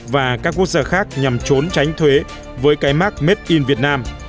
và các quốc gia khác nhằm trốn tránh thuế với cái mắc made in vietnam